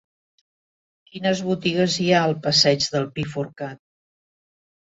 Quines botigues hi ha al passeig del Pi Forcat?